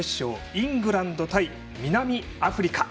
イングランド対南アフリカ。